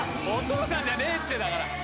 お父さんじゃねえってだから。